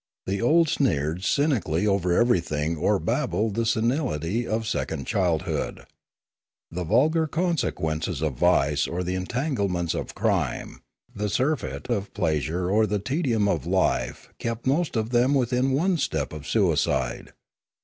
The old sneered cynically over everything or babbled the senility of second child hood. The vulgar consequences of vice or the en tanglements of crime, the surfeit of pleasure or the tedium of life kept most of them within one step of suicide.